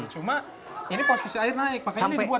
cuma ini posisi air naik makanya ini dibuat tanggul